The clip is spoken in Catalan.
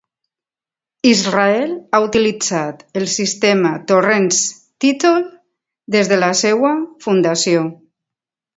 Israel ha utilitzat el sistema Torrens Title des de la seva fundació.